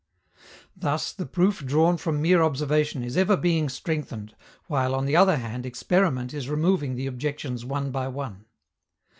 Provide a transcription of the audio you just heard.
Thus, the proof drawn from mere observation is ever being strengthened, while, on the other hand, experiment is removing the objections one by one.